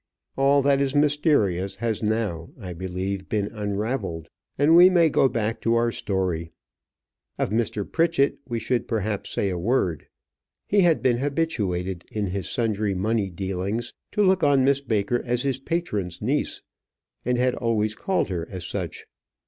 All that is mysterious has now, I believe, been unravelled, and we may go back to our story. Of Mr. Pritchett, we should perhaps say a word. He had been habituated in his sundry money dealings to look on Miss Baker as his patron's niece, and had always called her as such.